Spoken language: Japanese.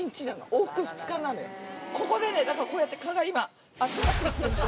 ここでねだからこうやって蚊が今集まってきてるんです